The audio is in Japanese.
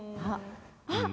あっ。